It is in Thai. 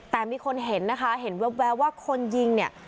แต่มีคนเห็นนะคะเห็นแว๊บว่าคนยิงเนี่ย